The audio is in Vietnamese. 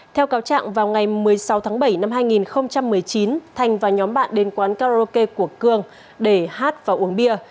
theo cáo trạng vào ngày một mươi sáu tháng bảy năm hai nghìn một mươi chín thành và nhóm bạn đến quán karaoke của cương để hát và uống bia